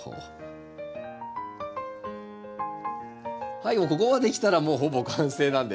はいここまできたらもうほぼ完成なんです。